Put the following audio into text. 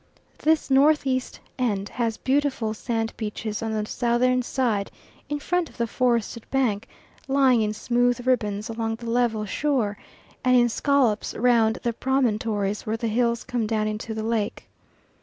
This N.E. end has beautiful sand beaches on the southern side, in front of the forested bank, lying in smooth ribbons along the level shore, and in scollops round the promontories where the hills come down into the lake.